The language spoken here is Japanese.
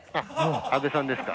阿部さんですか？